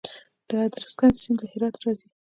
د ادرسکن سیند له هرات راځي